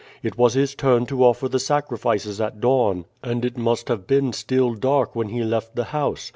It was his turn to offer the sacrifices at dawn, and it must have been still dark when he left the house.